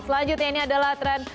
selanjutnya ini adalah tren